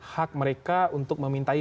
hak mereka untuk memintai